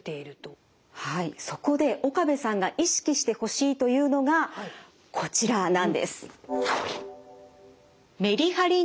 はいそこで岡部さんが意識してほしいというのがこちらなんです。